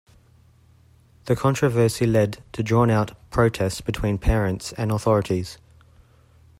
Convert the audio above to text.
The controversy led to drawn-out protests between parents and authorities.